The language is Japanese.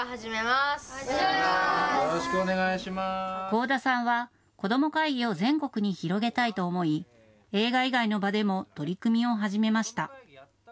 豪田さんは子ども会議を全国に広げたいと思い映画以外の場でも取り組みを始めました。